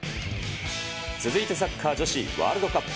続いてサッカー女子ワールドカップ。